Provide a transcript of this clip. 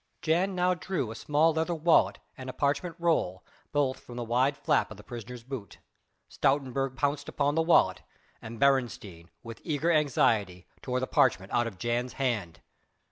Jan now drew a small leather wallet and a parchment roll both from the wide flap of the prisoner's boot. Stoutenburg pounced upon the wallet, and Beresteyn with eager anxiety tore the parchment out of Jan's hand.